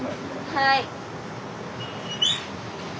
はい。